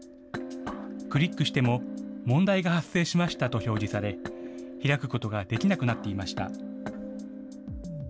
クリックしても、問題が発生しましたと表示され、開くことができなくなっていました。